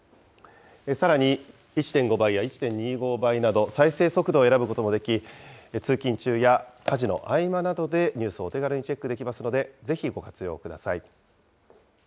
さらに、１．５倍や１．２５倍など、再生速度を選ぶこともでき、通勤中や家事の合間などでニュースをお手軽にチェックできますので、ぜひご活用ください。